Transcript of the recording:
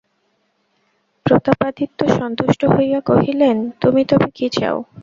প্রতাপাদিত্য সন্তুষ্ট হইয়া কহিলেন, তুমি তবে কী চাও?